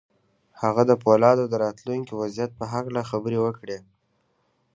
هغه د پولادو د راتلونکي وضعیت په هکله خبرې وکړې